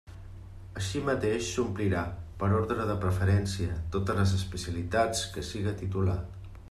Així mateix, s'omplirà, per orde de preferència, totes les especialitats de què siga titular.